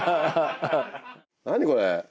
何これ。